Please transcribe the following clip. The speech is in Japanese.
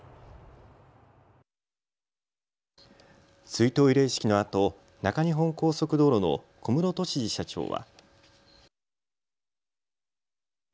追悼慰霊式のあと中日本高速道路の小室俊二社長は。